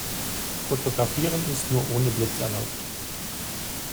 Fotografieren ist nur ohne Blitz erlaubt.